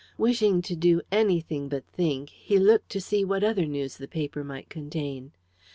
Wishing to do anything but think, he looked to see what other news the paper might contain.